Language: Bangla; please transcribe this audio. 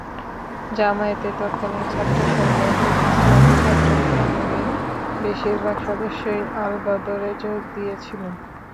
জামায়াতের তৎকালীন ছাত্রসংগঠন ইসলামী ছাত্রসংঘের বেশির ভাগ সদস্যই আলবদরে যোগ দিয়েছিলেন।